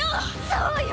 そうよ。